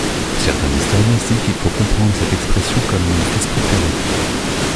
Certains historiens estiment qu'il faut comprendre cette expression comme mon fils préféré.